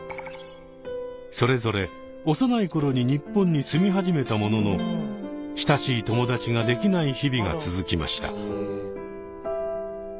それぞれ幼い頃に日本に住み始めたものの親しい友達ができない日々が続きました。